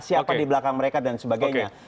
siapa di belakang mereka dan sebagainya